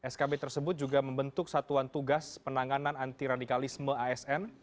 skb tersebut juga membentuk satuan tugas penanganan anti radikalisme asn